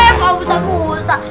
eh pak ustadz musa